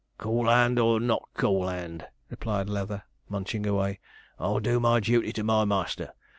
'Cool 'and, or not cool 'and,' replied Leather, munching away, 'I'll do my duty to my master.